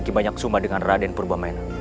di banyak suma dengan raden purba nenang